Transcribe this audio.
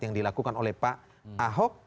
yang dilakukan oleh pak ahok